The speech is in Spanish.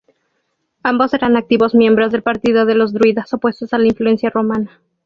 Ambos eran activos miembros del partido de los druidas, opuestos a la influencia romana.